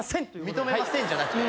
「認めません」じゃなくて。